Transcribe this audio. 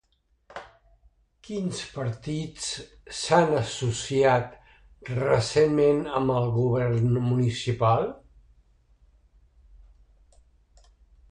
Quins partits s'han associat recentment amb el govern municipal?